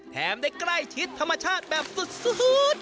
ได้ใกล้ชิดธรรมชาติแบบสุด